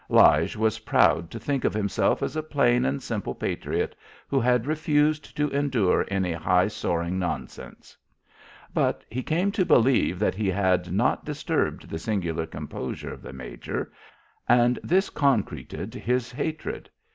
Lige was proud to think of himself as a plain and simple patriot who had refused to endure any high soaring nonsense. But he came to believe that he had not disturbed the singular composure of the major, and this concreted his hatred.